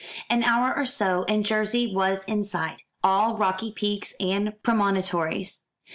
An hour or so and Jersey was in sight, all rocky peaks and promontories.